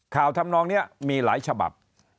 ทำนองนี้มีหลายฉบับ